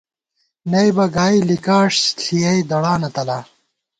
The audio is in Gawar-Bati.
نئیبہ گائی لِکاݭ ݪِیَئی دڑانہ تلا